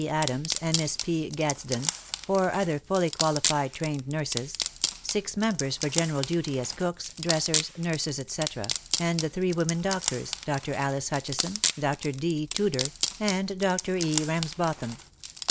Adams and Miss P. Gadsden, four other fully qualified trained nurses, six members for general duty as cooks, dressers, nurses, etc., and the three women doctors. Dr. Alice Hutchison, Dr. D. Tudor and Dr. E. Ramsbotham.